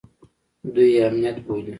دوى يې امنيت بولي.